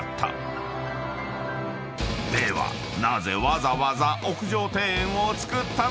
［ではなぜわざわざ屋上庭園を造ったのか？］